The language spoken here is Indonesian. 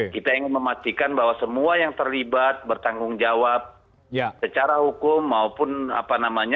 kita ingin memastikan bahwa semua yang terlibat bertanggung jawab secara hukum maupun apa namanya